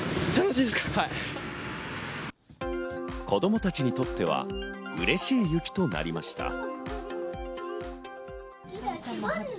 子供たちにとっては嬉しい雪となりました。